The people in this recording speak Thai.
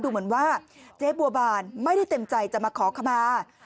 ดูเหมือนว่าเจ๊บัวบานไม่ได้เต็มใจจะมาขอขมา